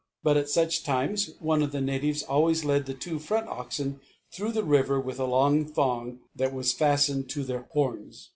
But at such times one of the natives always led the two front oxen through the river with a long thong that was fastened to their horns.